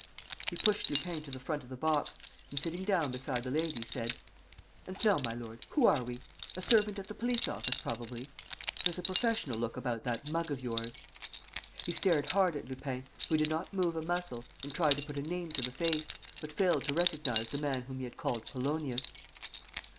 He pushed Lupin to the front of the box and, sitting down beside the lady, said: "And, now my lord, who are we? A servant at the police office, probably? There's a professional look about that mug of yours." He stared hard at Lupin, who did not move a muscle, and tried to put a name to the face, but failed to recognize the man whom he had called Polonius.